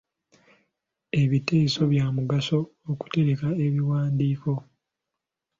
Ebiteeso bya mugaso okutereka ebiwandiiko.